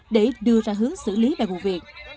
để đưa ra hướng xử lý về vụ việc